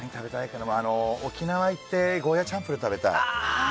沖縄行ってゴーヤチャンプルー食べたい。